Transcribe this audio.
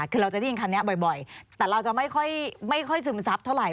คือเราจะได้ยินคำนี้บ่อยแต่เราจะไม่ค่อยซึมซับเท่าไห